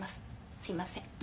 すいません。